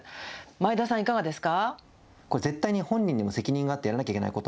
前田さん、いかがですか。